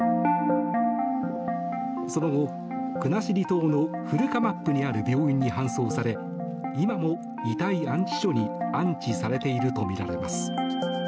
その後、国後島の古釜布にある病院に搬送され今も遺体安置所に安置されているとみられます。